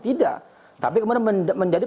tidak tapi kemudian menjadi